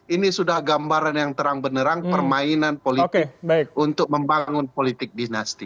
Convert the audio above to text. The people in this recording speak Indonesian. ini sudah gambaran yang terang benerang permainan politik untuk membangun politik dinasti